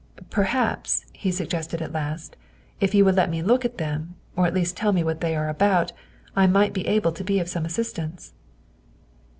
''" Perhaps," he suggested at last, " if you would let me look at them, or at least tell me what they are about, I might be able to be of some assistance."